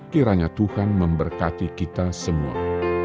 kiranya tuhan memberkati kita semua